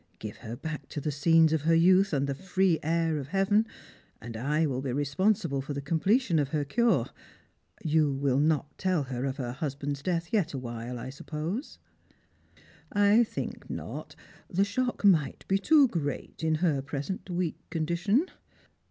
Give her back to the scenes of her youth and the free air of heaven, and I will be responsible for the completion of her cure. You will not tell her of her husband's death yet a while, I suppose ?"" I think not. The shock might be too great in her present weak condition."